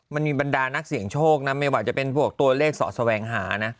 บรรดานักเสี่ยงโชคนะไม่ว่าจะเป็นพวกตัวเลขเสาะแสวงหานะ